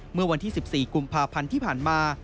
เมื่อวันที่๑๔กุมภาพันธ์ที่ผ่านมา